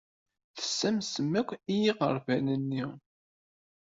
Tessamsem akk i yiɣerban-nni.